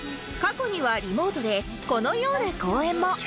過去にはリモートでこのような講演も